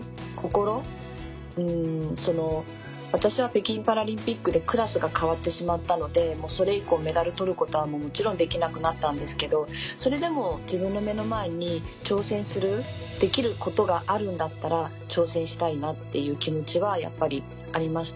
私は北京パラリンピックでクラスが変わってしまったのでそれ以降メダル取ることはできなくなったんですけどそれでも自分の目の前に挑戦するできることがあるんだったら挑戦したいなっていう気持ちはやっぱりありました。